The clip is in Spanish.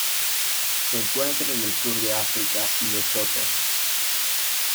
Se encuentra en el sur de África y Lesoto.